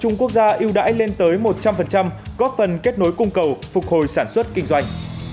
chung quốc gia ưu đãi lên tới một trăm linh góp phần kết nối cung cầu phục hồi sản xuất kinh doanh